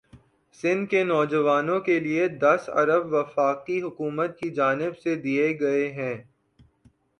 سندھ کے نواجوانوں کے لئے دس ارب وفاقی حکومت کی جانب سے دئے گئے ہیں